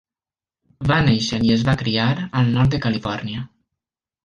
Va néixer i es va criar al nord de Califòrnia.